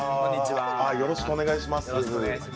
よろしくお願いします。